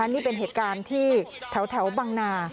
นี่เป็นเหตุการณ์ที่แถวบังนา